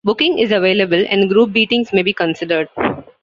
Booking is available and group beatings may be considered.